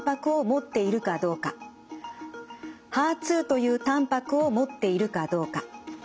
ＨＥＲ２というたんぱくを持っているかどうか。